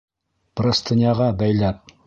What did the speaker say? Простыняға бәйләп!